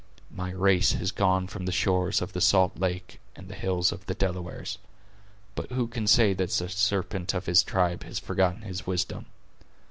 My race has gone from the shores of the salt lake and the hills of the Delawares. But who can say that the serpent of his tribe has forgotten his wisdom?